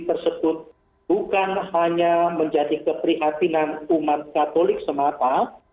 tersebut bukan hanya menjadi keprihatinan umat katolik semata